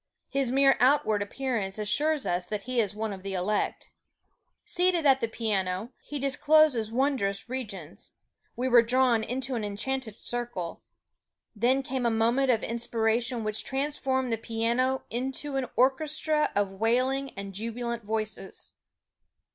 His mere outward appearance assures us that he is one of the elect. Seated at the piano, he disclosed wondrous regions. We were drawn into an enchanted circle. Then came a moment of inspiration which transformed the piano into an orchestra of wailing and jubilant voices.